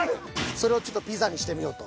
それをちょっとピザにしてみようと。